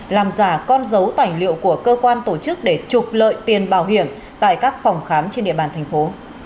làm giả con dấu tài liệu của cơ quan tổ chức để trục lợi tiền bảo hiểm tại các phòng khám trên địa bàn thành phố